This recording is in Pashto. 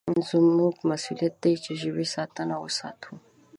زموږ مسوولیت دی چې د ژبې ساتنه وساتو.